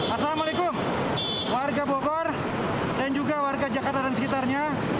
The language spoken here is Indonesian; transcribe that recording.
assalamualaikum warga bogor dan juga warga jakarta dan sekitarnya